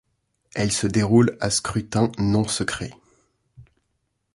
Elles se déroulent à scrutin non secret.